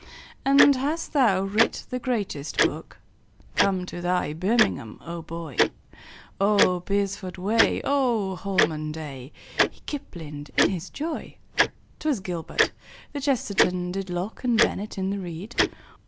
"And hast thou writ the greatest book? Come to thy birmingham, my boy! Oh, beresford way! Oh, holman day!" He kiplinged in his joy. 'Twas gilbert. The kchesterton Did locke and bennett in the reed.